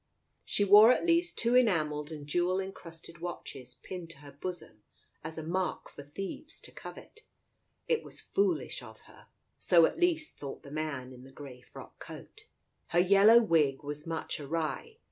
She wore at least two enamelled and jewel encrusted watches pinned to her bosom as a mark for thieves to covet. It was foolish of her. So at least thought the man in the grey frock coat. Her yellow wig was much awry.